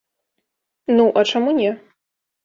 Ну, а чаму не?